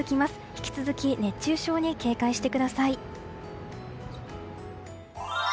引き続き熱中症に警戒してください。